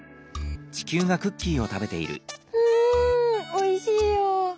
うんおいしいよ。